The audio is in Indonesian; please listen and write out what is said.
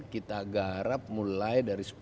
kita garap mulai dari